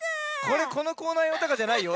これこのコーナーようとかじゃないよ。